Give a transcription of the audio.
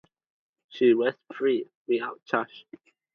She was freed without damage.